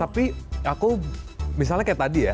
tapi aku misalnya kayak tadi ya